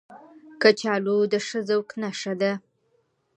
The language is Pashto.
کچالو د ښه ذوق نښه ده